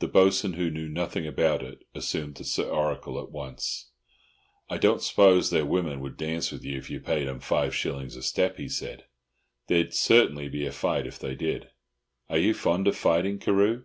The Bo'sun, who knew nothing about it, assumed the Sir Oracle at once. "I don't suppose their women would dance with you if you paid 'em five shillings a step," he said. "There'd certainly be a fight if they did. Are you fond of fighting, Carew?"